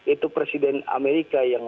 itu presiden amerika yang